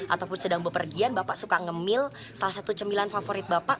ataupun sedang berpergian bapak suka ngemil salah satu cemilan favorit bapak